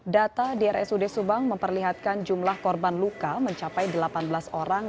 data di rsud subang memperlihatkan jumlah korban luka mencapai delapan belas orang